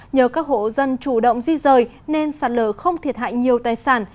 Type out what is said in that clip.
nhờ các hộ dân chủ động di rời nên sạt lở không thiệt hại nhiều tài sản